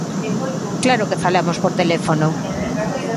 Claro que falamos por teléfono.